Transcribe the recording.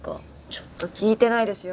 ちょっと聞いてないですよ